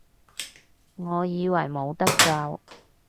我以為冇得救